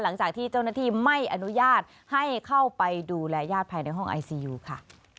หลังจากที่เจ้าหน้าที่ไม่อนุญาตให้เข้าไปดูแลญาติภายในห้องไอซียูค่ะ